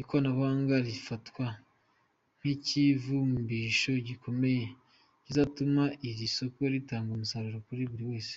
Ikoranabuhanga rifatwa nk’ikivumbikisho gikomeye kizatuma iri soko ritanga umusaruro kuri buri wese.